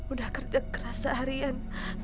udah kerja keras seharian